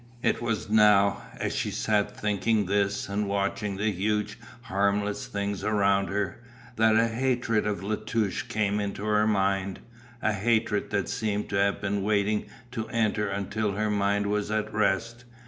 It was now, as she sat thinking this and watching the huge harmless things around her, that a hatred of La Touche came into her mind, a hatred that seemed to have been waiting to enter until her mind was at rest.